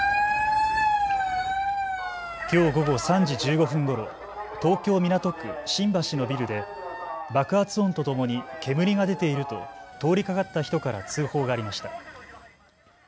きょう午後３時１５分ごろ、東京港区新橋のビルで爆発音とともに煙が出ていると通りかかった人から通報がありました。